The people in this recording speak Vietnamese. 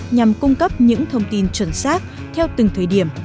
nhằm cung cấp những thông tin chuẩn xác theo từng thời điểm